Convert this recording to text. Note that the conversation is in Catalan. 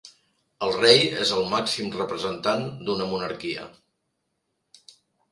El rei és el màxim representant d'una monarquia.